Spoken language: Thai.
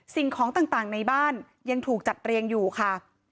สิ่งของต่างในบ้านยังถูกจัดเรียงอยู่ค่ะ